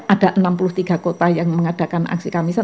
ada enam puluh tiga kota yang mengadakan aksi kamisan